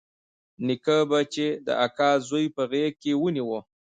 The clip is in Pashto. نيکه به چې د اکا زوى په غېږ کښې ونيو.